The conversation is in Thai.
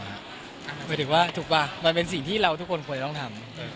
หมายถึงว่าถูกป่ะมันเป็นสิ่งที่เราทุกคนควรต้องทำ